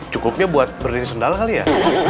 cukupnya buat berdiri sendal kali ya